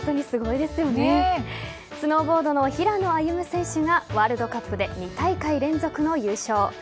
スノーボードの平野歩夢選手がワールドカップで２大会連続の優勝。